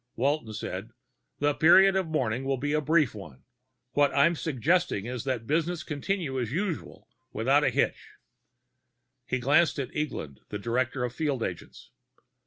Walton said, "The period of mourning will have to be a brief one. What I'm suggesting is that business continue as usual, without a hitch." He glanced at Eglin, the director of field agents.